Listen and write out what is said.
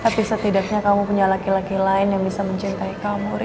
tapi setidaknya kamu punya laki laki lain yang bisa mencintai kamu